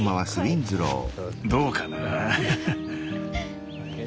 どうかな。